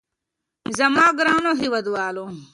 زما ګرانو هېوادوالو.